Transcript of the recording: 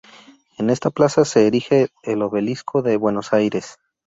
En esta plaza se erige el Obelisco de Buenos Aires.